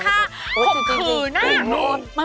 โอ้โฮจริงเป็นโน้น